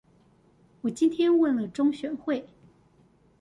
我今天問了中選會